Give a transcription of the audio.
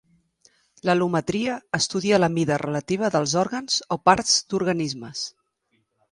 L'al·lometria estudia la mida relativa dels òrgans o parts d'organismes.